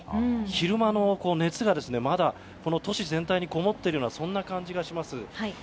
昼間の熱がまだ都市全体にこもっているようなそんな感じがします。